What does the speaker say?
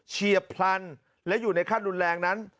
เฉียบพลันและอยู่ในขั้นรุนแรงนั้น